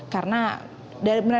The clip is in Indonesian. karena dari perangkat